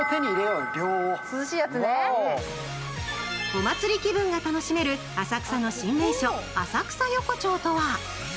お祭り気分が楽しめる浅草の新名所、浅草横町とは？